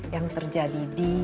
yang terjadi di